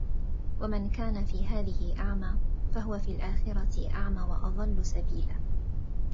ومن كان في هذه أعمى فهو في الآخرة أعمى وأضل سبيلا